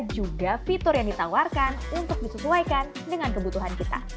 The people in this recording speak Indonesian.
juga fitur yang ditawarkan untuk disesuaikan dengan kebutuhan kita